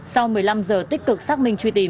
sau một mươi năm giờ tích cực xác minh